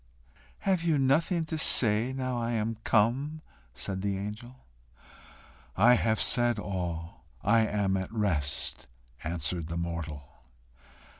"Have you nothing to say now I am come?" said the angel. "I have said all. I am at rest," answered the mortal.